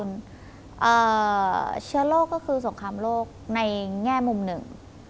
เชื้อโรคก็คือสงครามโลกในแง่มุมหนึ่ง